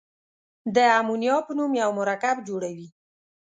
د امونیا په نوم یو مرکب جوړوي.